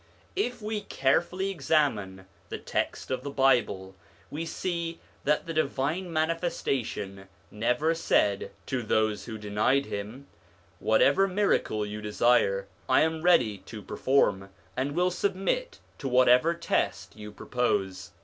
If we carefully examine the text of the Bible, we see that the Divine Manifestation never said to those who denied him, ' Whatever miracle you desire, I am ready to perform, and I will submit to whatever test you pro pose.'